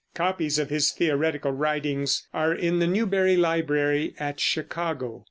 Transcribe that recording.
Copies of his theoretical writings are in the Newberry Library at Chicago.